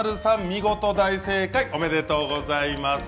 見事大正解おめでとうございます。